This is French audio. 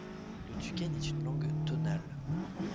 Le tuken est une langue tonale.